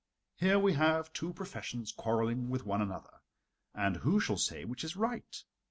Here we have two professions quarreling with one another, and who shall say which is right?